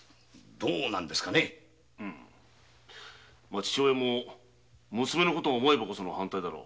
父親も娘の事を思えばこその反対だろう。